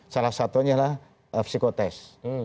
salah satunya adalah psikotest